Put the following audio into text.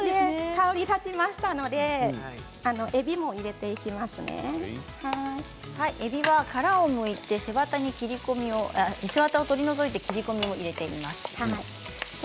香りが立ちましたのでえびは殻をむいて背わたを取り除いて切り込みを入れています。